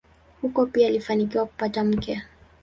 Huko pia alifanikiwa kupata mke.